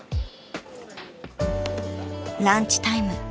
［ランチタイム］